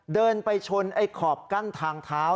เดินไปชนไอ้ขอบกั้นทางเท้า